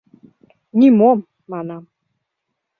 Нимом!» — манам.